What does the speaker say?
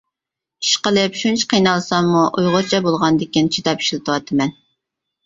ئىشقىلىپ شۇنچە قىينالساممۇ ئۇيغۇرچە بولغاندىكىن چىداپ ئىشلىتىۋاتىمەن.